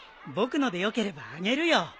僕のでよければあげるよ。